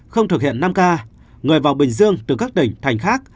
không thực hiện năm k người vào bình dương từ các tỉnh thành khác